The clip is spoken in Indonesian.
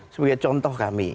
sebagai contoh kami